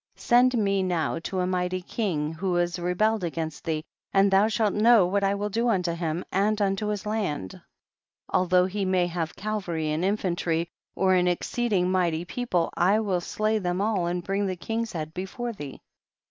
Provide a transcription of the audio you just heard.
59. Send me now to a mighty king who has rebelled against thee and thou shalt know what I will do unto him and unto his land ; although he may have cavalry and infantry or an exceeding mighty people, 1 will slay them all and bring the king's head before thee.